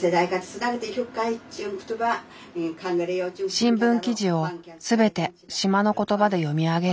新聞記事を全て島の言葉で読み上げる